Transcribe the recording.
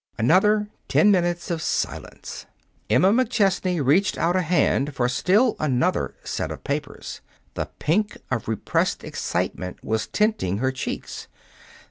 Another ten minutes of silence. Emma McChesney reached out a hand for still another set of papers. The pink of repressed excitement was tinting her cheeks.